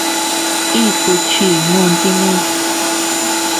Iku chi nunti mi.